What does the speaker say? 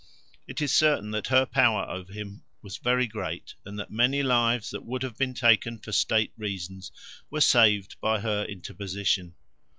It is certain that her power over him was very great and that many lives that would have been taken for State reasons were saved by her interposition.